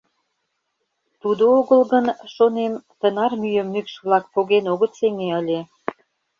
Тудо огыл гын, шонем, тынар мӱйым мӱкш-влак поген огыт сеҥе ыле.